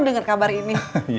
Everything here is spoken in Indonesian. dengar kabar ini